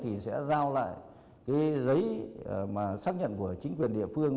thì kiều quốc huy sẽ giao lại giấy xác nhận của chính quyền địa phương